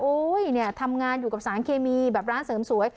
เนี่ยทำงานอยู่กับสารเคมีแบบร้านเสริมสวย